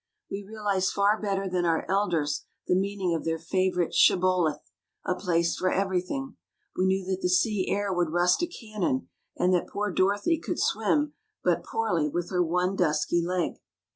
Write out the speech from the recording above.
We realised far better than our elders the meaning of their favourite shibboleth, " a place for every thing "; we knew that the sea air would rust a cannon, and that poor Dorothy could swim but poorly with her one dusky leg.